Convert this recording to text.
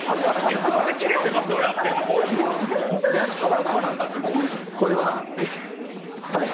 いつまで切れてますをやってるの、もういい。